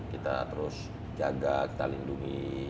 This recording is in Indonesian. kita terus jaga kita lindungi